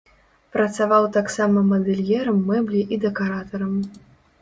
Працаваў таксама мадэльерам мэблі і дэкаратарам.